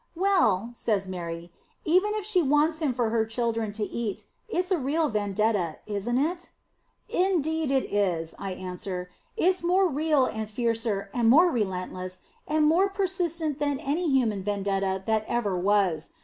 "Well," says Mary, "even if she wants him for her children to eat, it's a real vendetta, isn't it?" "Indeed it is," I answer, "it's more real, and fiercer, and more relentless, and more persistent than any human vendetta that ever was.